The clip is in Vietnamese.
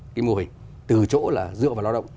cái mô hình từ chỗ là dựa vào lao động